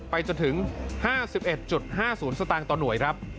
ไปจนถึง๕๑๕๐สตางค์ต่อหน่วยครับ